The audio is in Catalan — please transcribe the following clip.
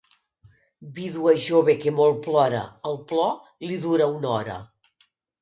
Vídua jove que molt plora, el plor li dura una hora.